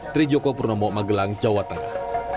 tri joko purnomo magelang jawa tengah